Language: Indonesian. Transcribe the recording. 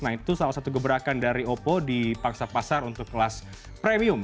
nah itu salah satu gebrakan dari oppo di pangsa pasar untuk kelas premium